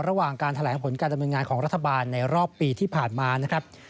ระหว่างการแถลงผลการดำเนินงานของรัฐบาลในรอบปีที่ผ่านมานะครับ